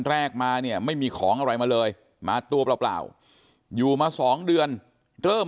แรกมาเนี่ยไม่มีของอะไรมาเลยมาตัวเปล่าอยู่มา๒เดือนเริ่ม